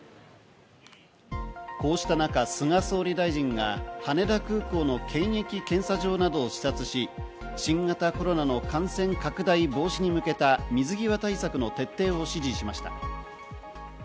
こうした中、菅総理大臣が羽田空港の検疫検査場などを視察し、新型コロナの感染拡大防止に向けた水際対策の徹底を指示しました。